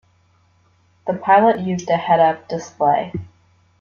The pilot used a head-up display.